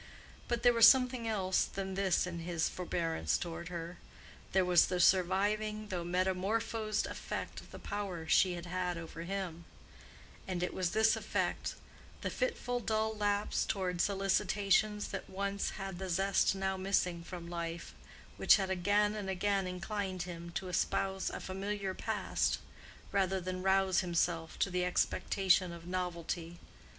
But there was something else than this in his forbearance toward her: there was the surviving though metamorphosed effect of the power she had had over him; and it was this effect, the fitful dull lapse toward solicitations that once had the zest now missing from life, which had again and again inclined him to espouse a familiar past rather than rouse himself to the expectation of novelty.